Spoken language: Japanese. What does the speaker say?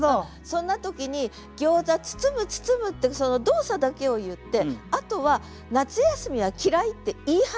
そんな時に「餃子包む包む」ってその動作だけを言ってあとは「夏休みは嫌ひ」って言い放つ。